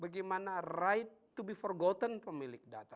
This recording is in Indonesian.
bagaimana right to be forgotten pemilik data